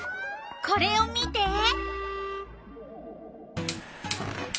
これを見て。